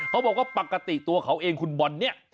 เขาบอกว่าปกติตัวเขาเองคุณบอลเนี่ย